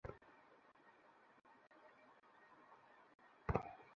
অনুষ্ঠানে শেষে ফেরার পথে সড়কের গর্ত ভরাটের জন্য গাড়ি থেকে নেমে আসেন।